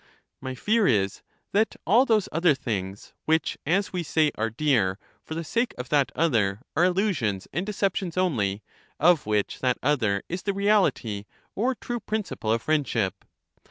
My fear is that all those other things, which, as we say, are dear for the sake of that other, are illusions and deceptions only, of which that other is the reality or true principle of friendship.